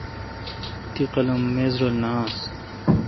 تی قلم میز رل نہ آس۔